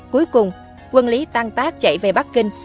cuối cùng quân lý tan tác chạy về bắc kinh